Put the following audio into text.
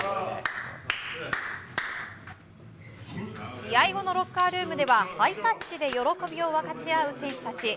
試合後のロッカールームではハイタッチで喜びを分かち合う選手たち。